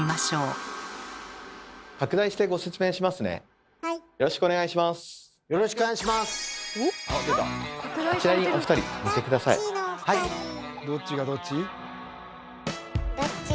どっちがどっち？